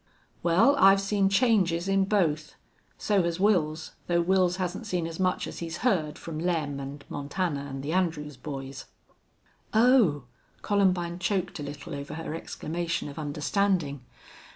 "Well, I've seen changes in both. So has Wils, though Wils hasn't seen as much as he's heard from Lem an' Montana an' the Andrews boys." "Oh!..." Columbine choked a little over her exclamation of understanding.